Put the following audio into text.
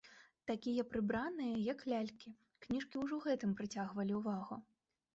Такія прыбраныя, як лялькі, кніжкі ўжо гэтым прыцягвалі ўвагу.